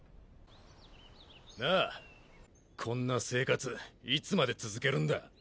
なァこんな生活いつまで続けるんだ？